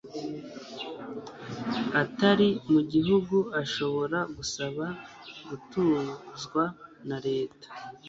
atari mu gihugu ashobora gusaba gutuzwa na leta